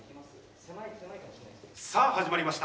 さあ始まりました。